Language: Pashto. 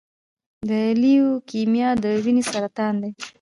د لیوکیمیا د وینې سرطان دی.